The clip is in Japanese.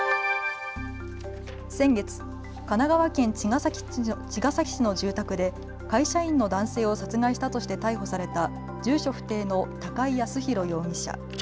先月、神奈川県茅ヶ崎市の住宅で会社員の男性を殺害したとして逮捕された住所不定の高井靖弘容疑者。